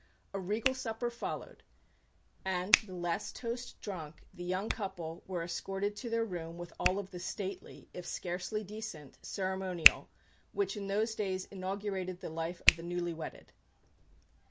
A regal supper followed; and, the last toast drunk, the young couple were escorted to their room with all the stately, if scarcely decent, ceremonial which in those days inaugurated the life of the newly wedded.